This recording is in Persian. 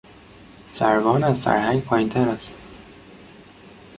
سروان از سرهنگ پایینتر است.